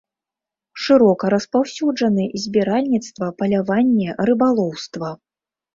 Шырока распаўсюджаны збіральніцтва, паляванне, рыбалоўства.